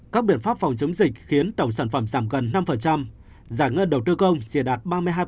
các biện pháp phòng chống dịch khiến tổng sản phẩm giảm gần năm giải ngân đầu tư công chỉ đạt ba mươi hai